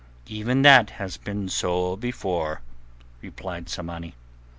"Even that has been so before," replied Tsamanni.